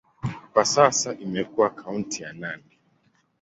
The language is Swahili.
Kwa sasa imekuwa kaunti ya Nandi.